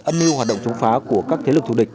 ân lưu hoạt động chống phá của các thế lực thủ địch